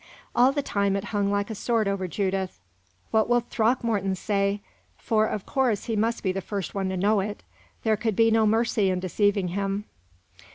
All the time it hung like a sword over Judith. "What will Throckmorton say?" for, of course, he must be the first one to know it; there could be no mercy in deceiving him.